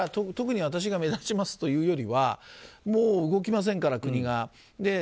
私が目立ちますというよりはもう動きませんから、国が。